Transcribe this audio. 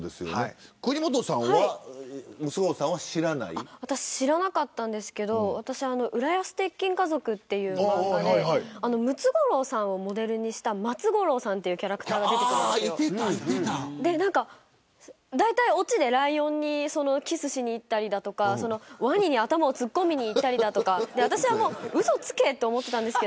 国本さんはムツゴロウさ知らなかったんですけど浦安鉄筋家族という漫画でムツゴロウさんをモデルにした松五郎さんというキャラクターがいてだいたいオチでライオンにキスしに行ったりだとかワニに頭を突っ込みにいったり私はうそつけと思っていました。